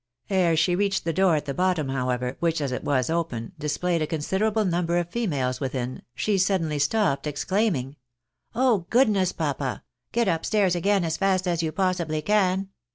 Ere she reached the door at the bottom, however, which as it was open, displayed a considerable number of females within, she sud denly stopped, exclaiming —" Oh, goodness, papa ! Get up stairs again as fast as you possibly can.